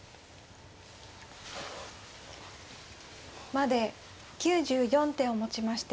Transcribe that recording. まで９４手をもちまして